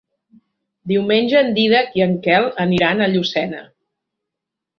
Diumenge en Dídac i en Quel aniran a Llucena.